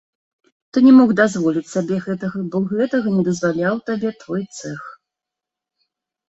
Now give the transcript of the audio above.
Ты не мог дазволіць сабе гэтага, бо гэтага не дазваляў табе твой цэх.